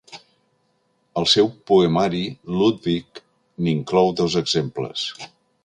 Al seu poemari Ludwig n'inclou dos exemples.